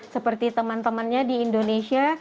seperti teman temannya di indonesia